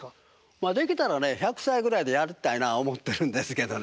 まあできたらね１００歳ぐらいでやりたいな思ってるんですけどね。